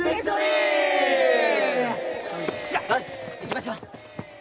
よしいきましょう！